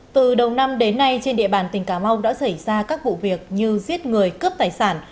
từ đầu năm đến nay trên địa bàn tỉnh cà mau đã xảy ra các vụ việc như giết người cướp tài sản